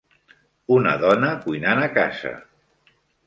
Una dona cuinant a casa.